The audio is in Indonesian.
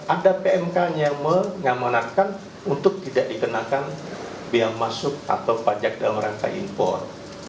ada pmk nya yang mengamanatkan untuk tidak dikenakan biaya masuk atau pajak dalam rangka impor